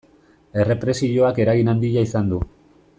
Errepresioak eragin handia izan du.